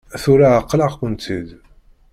Tura εeqleɣ-kent-id.